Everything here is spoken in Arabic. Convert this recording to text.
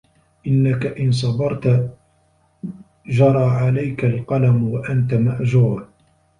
إنَّك إنْ صَبَرْت جَرَى عَلَيْك الْقَلَمُ وَأَنْتَ مَأْجُورٌ